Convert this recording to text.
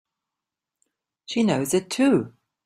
She knows it too!